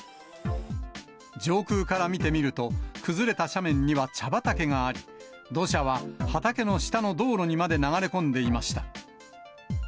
上空から見てみると、崩れた斜面には茶畑があり、土砂は畑の下の道路にまで流れ込んでいました。